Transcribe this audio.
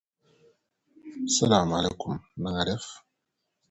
Pendant plusieurs années, seule une partie de l'église a servi pour la liturgie.